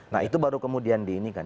nah itu baru kemudian dikonsultasikan